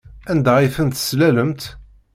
Anda ay ten-teslalemt?